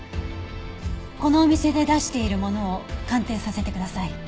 このお店で出しているものを鑑定させてください。